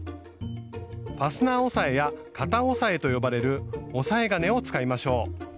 「ファスナー押さえ」や「片押さえ」と呼ばれる押さえ金を使いましょう。